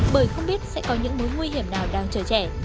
bởi không biết sẽ có những mối nguy hiểm nào đang chờ trẻ